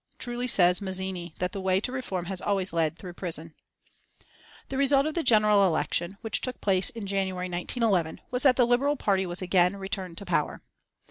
Truly says Mazzini that the way to reform has always led through prison. The result of the general election, which took place in January, 1911, was that the Liberal Party was again returned to power.